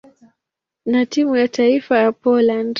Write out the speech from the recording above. na timu ya taifa ya Poland.